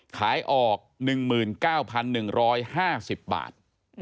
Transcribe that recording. ขายออก๑๙๑๕๐บาท